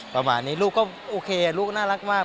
ประมาณนี้ลูกก็โอเคลูกน่ารักมาก